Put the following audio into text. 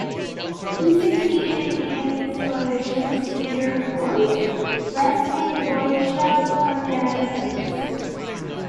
He succeeded in dealing this coalition severe blows, wresting Boeotia from their alliance.